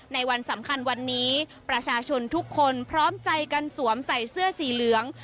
ในวันสำคัญวันนี้ประชาชนทุกคนพร้อมใจกันสวมใส่เสื้อสีเหลือง